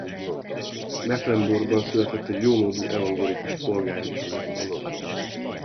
Mecklenburgban született egy jómódú evangélikus polgári családban.